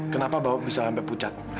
kenapa bawa bisa sampai pucat